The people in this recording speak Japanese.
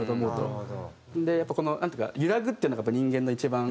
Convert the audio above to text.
でやっぱなんていうか揺らぐっていうのが人間の一番。